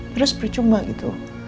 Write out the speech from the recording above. terus percuma gitu